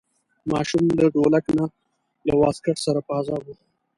ماشوم له ډولک نه له واسکټ سره په عذاب و.